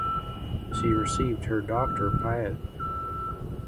She received her Doctor paed.